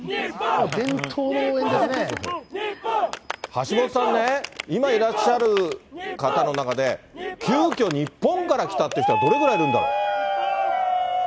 橋本さんね、今いらっしゃる方の中で、急きょ、日本から来たって人はどのくらいいるんだろう。